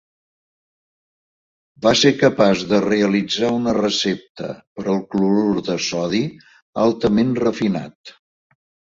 Va ser capaç de realitzar una recepta per al clorur de sodi altament refinat.